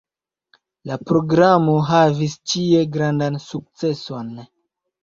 La programoj havis ĉie grandan sukceson.